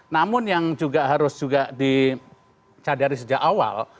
namun yang juga harus juga dicadari sejak awal